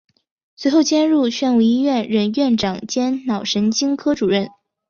随后迁入宣武医院任院长兼脑神经科主任。